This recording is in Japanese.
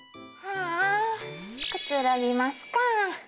あくつろぎますか。